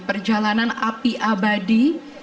perjalanan api abadi